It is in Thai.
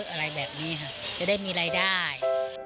อะไรแบบนี้ค่ะจะได้มีรายได้